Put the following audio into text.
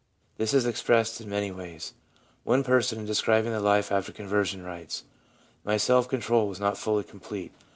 This is expressed in many ways. One person in describing the life after conver sion writes :' My self control was not fully complete.